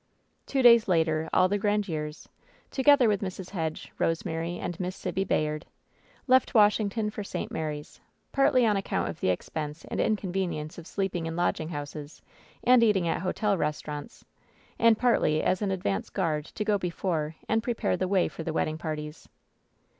Two days later all the Grandieres, together with Mrs. Hedge, Rosemary and Miss Sibby Bayard, left Wash ington for St. Mary's, partly on account of the expense and inconvenience of sleeping in lodging houses and eat Wk. WHEN SHADOWS DIE 281 ing at hotel restaurants, and partly as an advance guard to go before and prepare the way for the wedding parties.